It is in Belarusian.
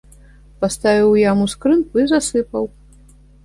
Паставіў у яму скрынку і засыпаў.